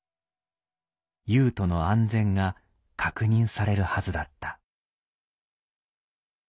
優斗の安全が確認されるはずだった。